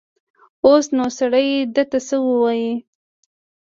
اوس نو سړی ده ته څه ووايي.